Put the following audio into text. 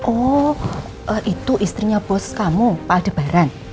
ohh itu istrinya bos kamu pak adebaran